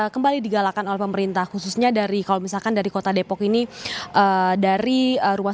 kembali digalakan oleh pemerintah khususnya dari kalau misalkan dari kota depok ini dari ruas